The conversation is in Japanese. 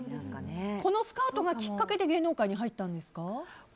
このスカウトがきっかけで芸能界に入ったんですか？